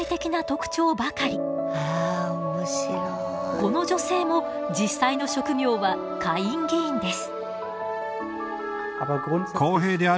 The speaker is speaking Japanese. この女性も実際の職業は下院議員です。